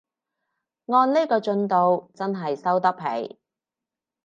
按呢個進度真係收得皮